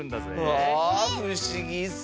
わあふしぎッス！